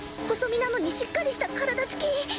細身なのにしっかりした体つき。